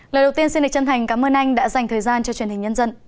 lời đầu tiên xin đề chân thành cảm ơn anh đã dành thời gian cho truyền hình nhân dân